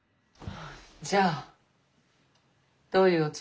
じゃあどういうおつもり？